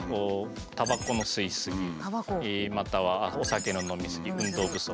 たばこの吸い過ぎまたはお酒の飲み過ぎ運動不足